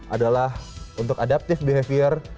adalah untuk adaptive behavior